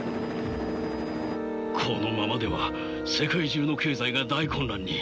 このままでは世界中の経済が大混乱に。